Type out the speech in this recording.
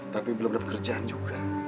tapi belum dapat ngerjaan juga